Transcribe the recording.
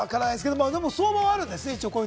相場はあるんですね。